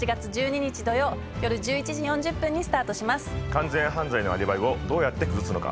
完全犯罪のアリバイをどうやって崩すのか？